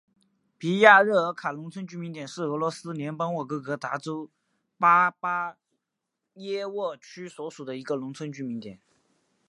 皮亚热尔卡农村居民点是俄罗斯联邦沃洛格达州巴巴耶沃区所属的一个农村居民点。